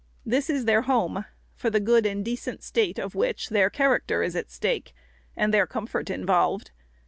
This is their home, for the good and decent state of which, their char acter is at stake, and their comfort involved.